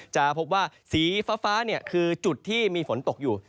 จะพบว่าสีฟ้าคือจุดที่มีฝนตกอยู่